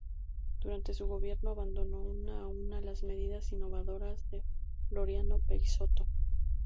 Durante su gobierno, abandonó una a una las medidas innovadoras de Floriano Peixoto.